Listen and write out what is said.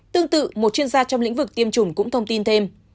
tương tự một chuyên gia trong lĩnh vực tiêm chủng cũng thông tin thêm